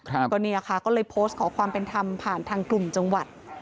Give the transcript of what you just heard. ก็เนี่ยค่ะก็เลยโพสต์ขอความเป็นธรรมผ่านทางกลุ่มจังหวัด